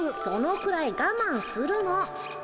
そのくらいがまんするの。